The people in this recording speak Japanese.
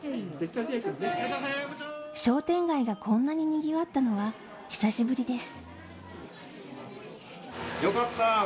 商店街がこんなに賑わったのは久しぶりです。